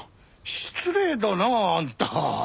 失礼だなあんた。